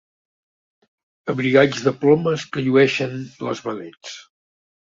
Abrigalls de plomes que llueixen les vedets.